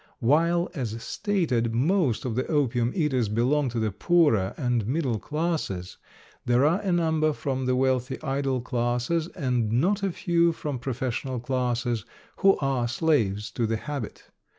While, as stated, most of the opium eaters belong to the poorer and middle classes, there are a number from the wealthy idle classes and not a few from professional classes who are slaves to the habit.